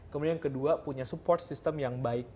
kemudian kedua punya support system yang baik